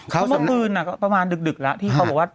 เพราะเมื่อคืนก็ประมาณดึกแล้วที่เขาบอกว่า